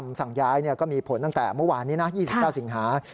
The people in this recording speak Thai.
สั่งย้ายก็มีผลตั้งแต่เมื่อวานนี้นะ๒๙สิงหา